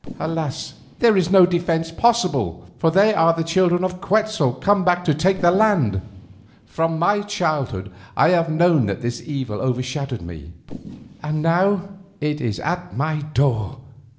Alas! there is no defence possible, for they are the children of Quetzal come back to take the land. From my childhood I have known that this evil overshadowed me, and now it is at my door."